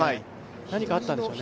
何かあったんでしょうね。